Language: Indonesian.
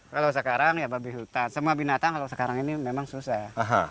kalau sekarang ya babi hutan semua binatang kalau sekarang ini memang susah ya